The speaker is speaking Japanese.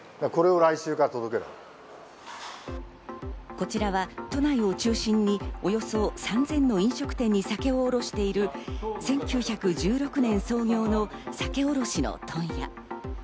こちらは都内を中心に、およそ３０００の飲食店に酒を卸している１９１６年創業の酒卸の問屋。